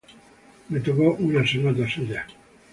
Me tocó una sonata suya.